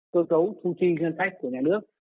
cơ cấu thu chi ngân sách của nhà nước